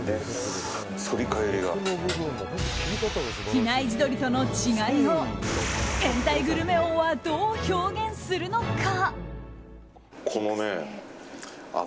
比内地鶏との違いを変態グルメ王はどう表現するのか。